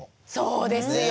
そうですよ。